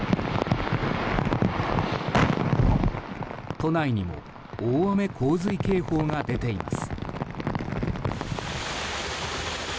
都内にも大雨・洪水警報が出ています。